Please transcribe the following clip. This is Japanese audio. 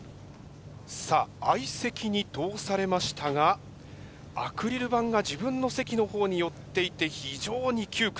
さあ相席に通されましたがアクリル板が自分の席の方に寄っていて非常に窮屈。